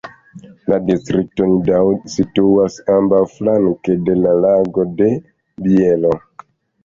La distrikto Nidau situas ambaŭflanke de la Lago de Bielo.